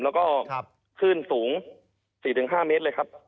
แล้วก็คลื่นสูง๔๕เมตรเลยครับ